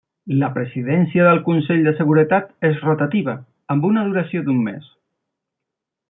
La presidència del Consell de Seguretat és rotativa, amb una duració d'un mes.